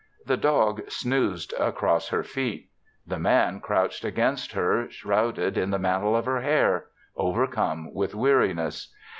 The dog snoozed across her feet. The Man crouched against her, shrouded in the mantle of her hair, overcome with weariness.